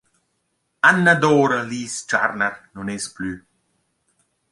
Annadora Lys-Tscharner nun es plü!